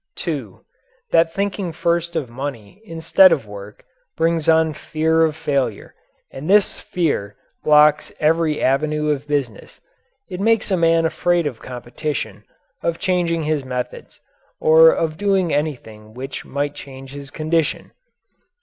(2) That thinking first of money instead of work brings on fear of failure and this fear blocks every avenue of business it makes a man afraid of competition, of changing his methods, or of doing anything which might change his condition.